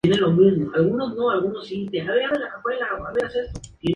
Este, enamorado, vende su alma al Demonio para conseguir su amor.